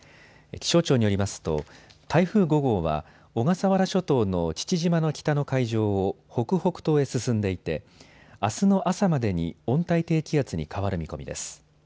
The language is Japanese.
気象庁によりますと台風５号は小笠原諸島の父島の北の海上を北北東へ進んでいてあすの朝までに温帯低気圧に変わる見込みです。